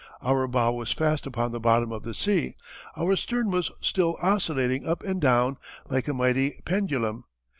Our bow was fast upon the bottom of the sea our stern was still oscillating up and down like a mighty pendulum.